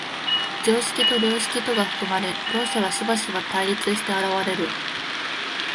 常識と良識とが含まれ、両者はしばしば対立して現れる。